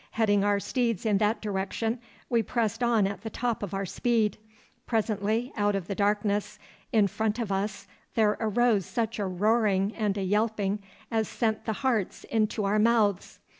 Heading our steeds in that direction, we pressed on at the top of our speed. Presently out of the darkness in front of us there arose such a roaring and a yelping as sent the hearts into our mouths.